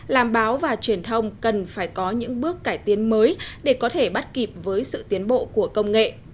làm báo và truyền thông cần phải có những bước cải tiến mới để có thể bắt kịp với sự tiến bộ của công nghệ